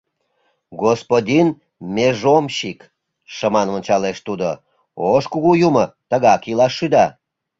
— Господин межомшик, — шыман ончалеш тудо, — ош кугу юмо тыгак илаш шӱда.